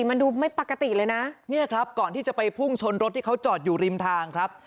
มันดูไม่ปกติเลยนะเนี่ยครับก่อนที่จะไปพุ่งชนรถที่เขาจอดอยู่ริมทางครับ